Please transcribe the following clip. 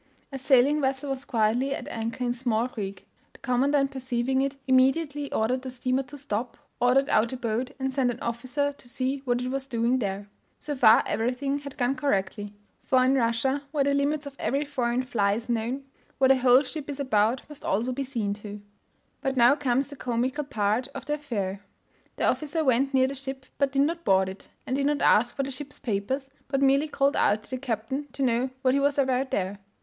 A sailing vessel was quietly at anchor in a small creek. The commandant, perceiving it, immediately ordered the steamer to stop, ordered out a boat, and sent an officer to see what it was doing there. So far everything had gone correctly; for in Russia, where the limits of every foreign fly is known, what a whole ship is about, must also be seen to. But now comes the comical part of the affair. The officer went near the ship, but did not board it, and did not ask for the ship's papers, but merely called out to the captain to know what he was about there?